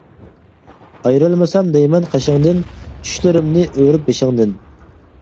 ئايرىلمىسام دەيمەن قېشىڭدىن، چۈشلىرىمنى ئۆرۈپ بېشىڭدىن.